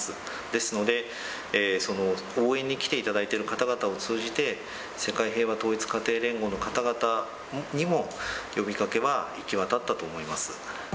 ですので、応援に来ていただいている方々を通じて、世界平和統一家庭連合の方々にも、呼びかけは行き渡ったと思います。